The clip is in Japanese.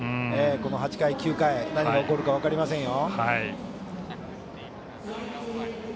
この８回、９回何が起こるか分かりませんよ。